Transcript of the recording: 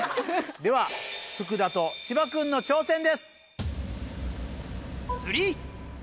では福田と千葉君の挑戦です。